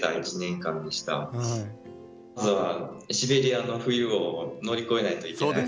まずはシベリアの冬を乗り越えないといけないので。